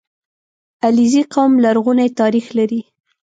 • علیزي قوم لرغونی تاریخ لري.